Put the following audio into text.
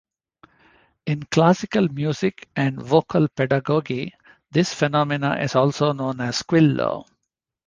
In classical music and vocal pedagogy, this phenomenon is also known as "squillo".